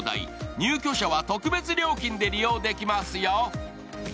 入居者は特別料金で利用できますよ。